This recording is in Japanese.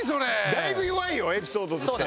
だいぶ弱いよエピソードとして。